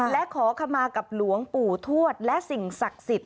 และขอขมากับหลวงปู่ทวดและสิ่งศักดิ์สิทธิ